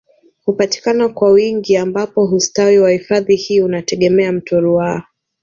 Hupatikana kwa wingi ambapo hustawi wa hifadhi hii unategemea mto ruaha